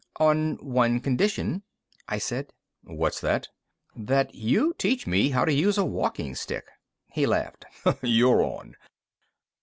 "On one condition," I said. "What's that?" "That you teach me how to use a walking stick." He laughed. "You're on!"